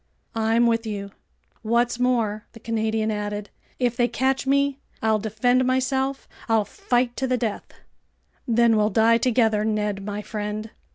"I'm with you." "What's more," the Canadian added, "if they catch me, I'll defend myself, I'll fight to the death." "Then we'll die together, Ned my friend."